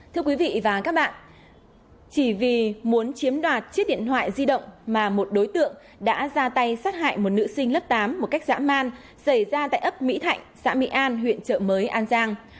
thưa quý vị và các bạn chỉ vì muốn chiếm đoạt chiếc điện thoại di động mà một đối tượng đã ra tay sát hại một nữ sinh lớp tám một cách dã man xảy ra tại ấp mỹ thạnh xã mỹ an huyện trợ mới an giang